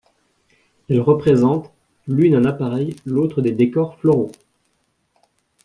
Elles représentent, l'une un appareil, l'autre des décors floraux.